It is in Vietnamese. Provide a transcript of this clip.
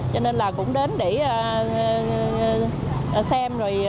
cho nên là cũng đến để xem